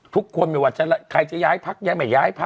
ทุกคนใครจะย้ายพักง์